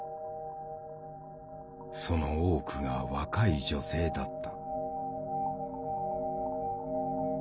その多くが若い女性だった。